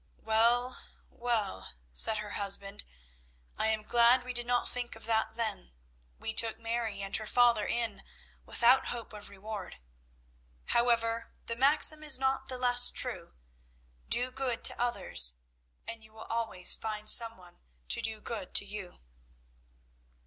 "Well, well," said her husband, "I am glad we did not think of that then. We took Mary and her father in without hope of reward. However, the maxim is not the less true, 'Do good to others and you will always find some one to do good to you.'"